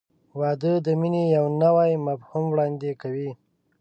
• واده د مینې یو نوی مفهوم وړاندې کوي.